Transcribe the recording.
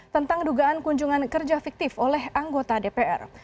tentang dugaan kunjungan kerja fiktif oleh anggota dpr